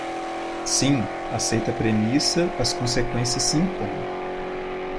Sim, aceita a premissa, as conseqüências se impõem.